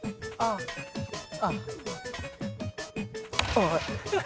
おい！